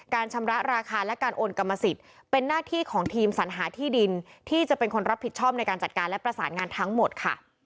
ชำระราคาและการโอนกรรมสิทธิ์เป็นหน้าที่ของทีมสัญหาที่ดินที่จะเป็นคนรับผิดชอบในการจัดการและประสานงานทั้งหมดค่ะ